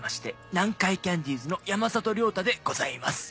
南海キャンディーズの山里亮太でございます。